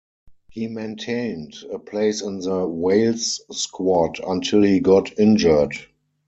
He maintained a place in the Wales squad until he got injured.